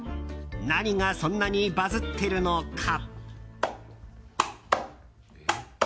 何がそんなにバズってるのか？